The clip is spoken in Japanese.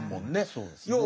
そうですね。